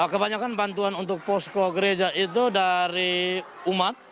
kebanyakan bantuan untuk posko gereja itu dari umat